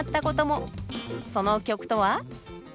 その曲とは？